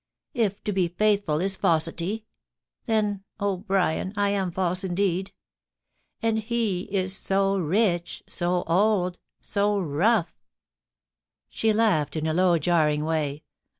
If to be faithful is falsity — then, O Brian, I am false indeed .... And ^ is so rich — so old — so rough T She laughed in a low, jarring way.